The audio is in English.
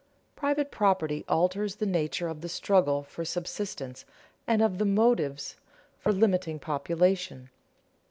Private property alters the nature of the struggle for subsistence and of the motives for limiting population.